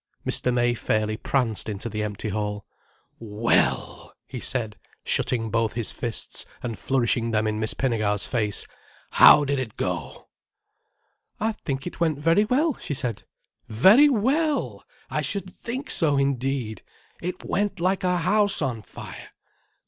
Mr. May fairly pranced into the empty hall. "Well!" he said, shutting both his fists and flourishing them in Miss Pinnegar's face. "How did it go?" "I think it went very well," she said. "Very well! I should think so, indeed. It went like a house on fire.